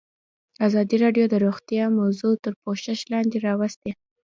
ازادي راډیو د روغتیا موضوع تر پوښښ لاندې راوستې.